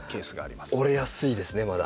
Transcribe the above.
折れやすいですねまだ。